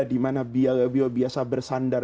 di mana beliau biasa bersandar